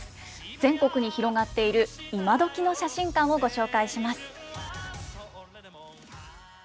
全国に広がっている今どきの写真館をご紹介します。